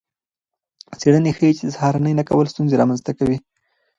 څیړنې ښيي چې د سهارنۍ نه کول ستونزې رامنځته کوي.